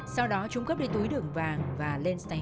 sau đó chúng cấp đi túi đường vàng và lên